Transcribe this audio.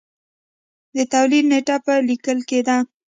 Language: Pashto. د تولید نېټه به لیکل کېده